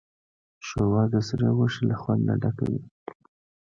ښوروا د سرې غوښې له خوند نه ډکه وي.